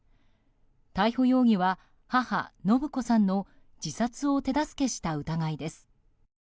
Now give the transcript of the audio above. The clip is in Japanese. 逮捕容疑は母・延子さんの自殺を手助けした疑いです。